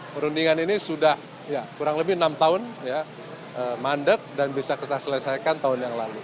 perundingan ini sudah kurang lebih enam tahun mandek dan bisa kita selesaikan tahun yang lalu